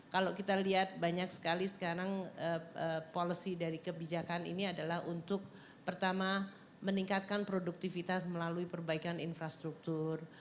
kalau kita lihat banyak sekali sekarang policy dari kebijakan ini adalah untuk pertama meningkatkan produktivitas melalui perbaikan infrastruktur